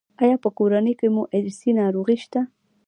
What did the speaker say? ایا په کورنۍ کې مو ارثي ناروغي شته؟